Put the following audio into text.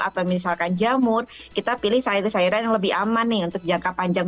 atau misalkan jamur kita pilih sayuran sayuran yang lebih aman nih untuk jangka panjang